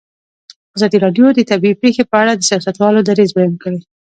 ازادي راډیو د طبیعي پېښې په اړه د سیاستوالو دریځ بیان کړی.